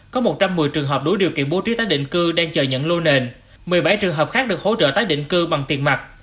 có một trăm một mươi trường hợp đủ điều kiện bố trí tái định cư đang chờ nhận lô nền một mươi bảy trường hợp khác được hỗ trợ tái định cư bằng tiền mặt